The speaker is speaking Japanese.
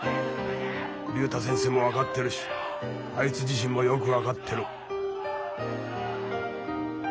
竜太先生も分かってるしあいつ自身もよく分かってる。